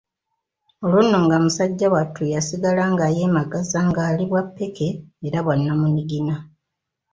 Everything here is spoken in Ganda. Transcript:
Olwo nno nga musajja wattu yasigala nga yeemagaza ng'ali bwa ppeke era bwa nnamunigina.